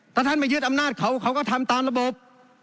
ถ้าท่านมายึดอำนาจเขาเขาก็ทำตามระบบ